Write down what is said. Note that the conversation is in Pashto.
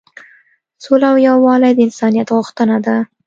سوله او یووالی د انسانیت غوښتنه ده.